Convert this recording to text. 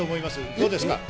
どうですか？